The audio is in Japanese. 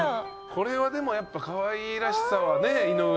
これはでもやっぱかわいらしさはね井上。